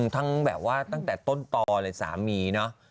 ทั้งแบบว่าตั้งแต่ต้นตอเลยสามีเนอะ